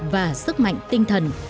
và sức mạnh tinh thần